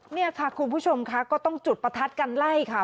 นี่ค่ะคุณผู้ชมค่ะก็ต้องจุดประทัดกันไล่ค่ะ